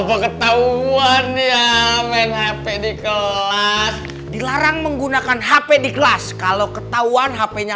oh bapak ketauan ya main hp di kelas dilarang menggunakan hp di kelas kalau ketauan hp nya